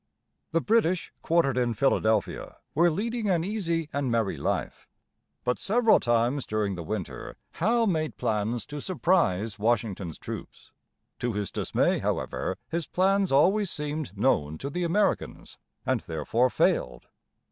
The British quartered in Philadelphia were leading an easy and merry life; but several times during the winter Howe made plans to surprise Washington's troops. To his dismay, however, his plans always seemed known to the Americans, and therefore failed.